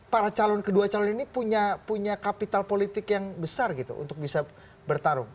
para calon kedua calon ini punya kapital politik yang besar gitu untuk bisa bertarung